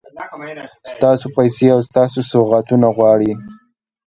ستاسو پیسې او ستاسو سوغاتونه غواړي.